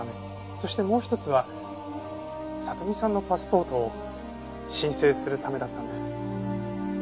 そしてもう一つは里美さんのパスポートを申請するためだったんです。